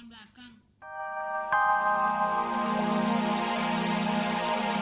bagaimana kalau kita membuat sertifikat